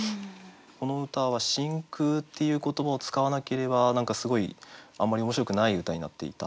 この歌は「真空」っていう言葉を使わなければ何かすごいあんまり面白くない歌になっていた。